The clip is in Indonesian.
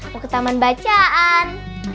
mau ke taman bacaan